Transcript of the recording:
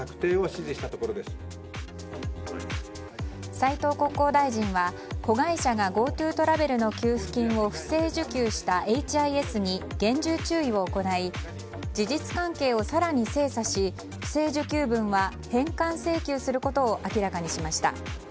斉藤国交大臣は、子会社がＧｏＴｏトラベルの給付金を不正受給したＨＩＳに厳重注意を行い事実関係を更に精査し不正受給分は返還請求することを明らかにしました。